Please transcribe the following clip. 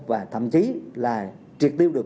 và thậm chí là triệt tiêu được